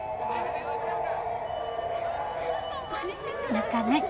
泣かない。